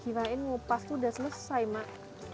kirain mengupas tuh udah selesai mak